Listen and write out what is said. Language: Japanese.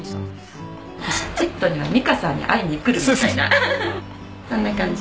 ちっとには美香さんに会いに来るみたいなそんな感じ。